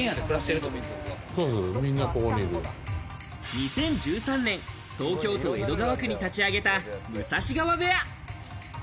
２０１３年、東京都江戸川区に立ち上げた武蔵川部屋。